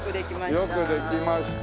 よくできました。